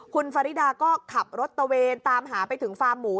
คุณฟาริดาก็ขับรถตะเวนตามหาไปถึงฟาร์มหมู